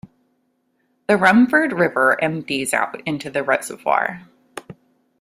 The Rumford River empties out into the reservoir.